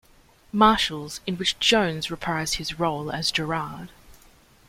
Marshals, in which Jones reprised his role as Gerard.